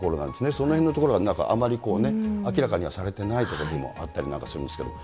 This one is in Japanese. そのへんのところがあまり明らかにはされてないということもあったりなんかするんですけれども。